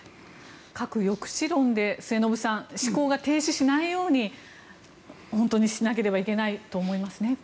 核抑止論で、末延さん思考が停止しないようにしなければいけないと思いますね。